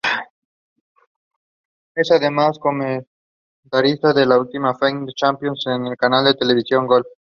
Es además comentarista de la Ultimate Fighting Championship en el canal de televisión Gol.